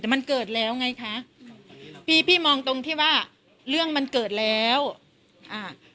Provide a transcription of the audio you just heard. แต่มันเกิดแล้วไงคะพี่พี่มองตรงที่ว่าเรื่องมันเกิดแล้วอ่า